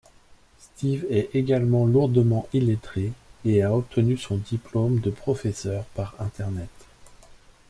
Steve est également lourdement illettré et a obtenu son diplôme de professeur par Internet.